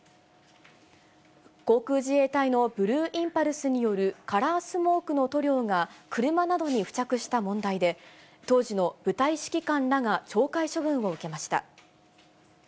航空自衛隊のブルーインパルスによるカラースモークの塗料が車などに付着した問題で、当時の部隊指揮官らが懲戒処分を受けました。